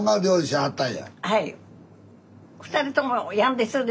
はい。